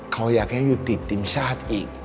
เขาอยากให้อยู่ติดทีมชาติอีก